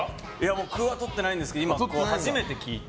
僕はとってないんですけど今、初めて聞いて。